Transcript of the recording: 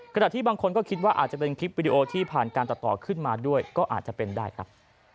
ที่บางคนก็คิดว่าอาจจะเป็นคลิปวิดีโอที่ผ่านการตัดต่อขึ้นมาด้วยก็อาจจะเป็นได้ครับ